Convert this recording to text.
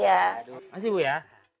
ya masih ya